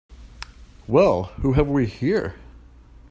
Well who have we here?